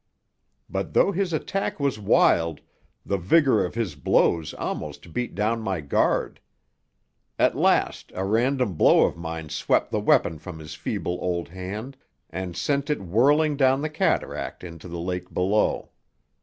But, though his attack was wild, the vigor of his blows almost beat down my guard. At last a random blow of mine swept the weapon from his feeble old hand and sent it whirling down the cataract into the lake below.